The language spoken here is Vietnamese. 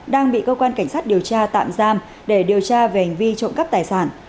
đang bị cơ quan cảnh sát điều tra tạm giam để điều tra về hành vi trộm cắp tài sản